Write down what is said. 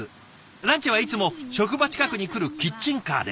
ランチはいつも職場近くに来るキッチンカーで。